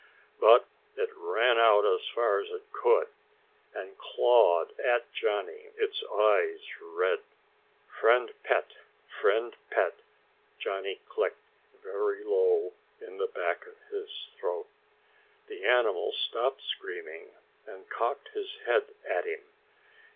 But it ran out as far as it could and clawed at Johnny, its eyes red. "Friend pet, friend pet," Johnny clicked very low in the back of his throat. The animal stopped screaming and cocked his head at him.